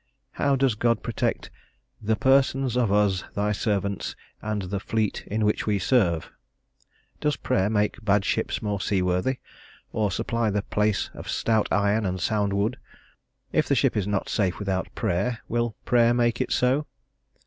How does God protect "the persons of us, thy servants, and the fleet in which we serve?" Does prayer make bad ships more seaworthy, or supply the place of stout iron and sound wood? If the ship is not safe without prayer, will prayer make it so?